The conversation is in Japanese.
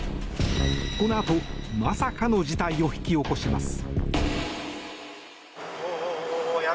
このあとまさかの事態を引き起こします。